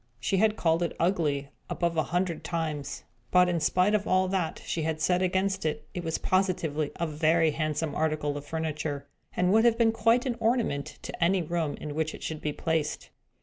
She had called it ugly, above a hundred times; but, in spite of all that she had said against it, it was positively a very handsome article of furniture, and would have been quite an ornament to any room in which it should be placed.